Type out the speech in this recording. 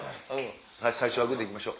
最初はグで行きましょう。